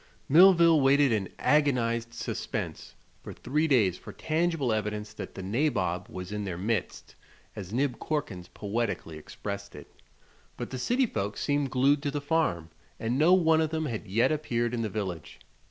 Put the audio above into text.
Millville waited in agonized suspense for three days for tangible evidence that "the nabob was in their midst," as Nib Corkins poetically expressed it; but the city folks seemed glued to the farm and no one of them had yet appeared in the village.